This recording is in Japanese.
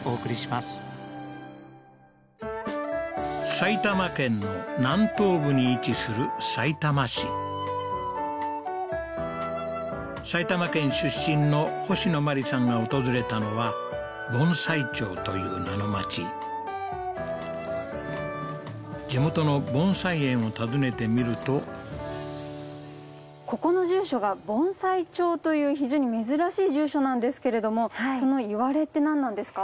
埼玉県の南東部に位置するさいたま市埼玉県出身の星野真里さんが訪れたのは盆栽町という名のまち地元の盆栽園を訪ねてみるとここの住所が盆栽町という非常に珍しい住所なんですけれどもそのいわれって何なんですか？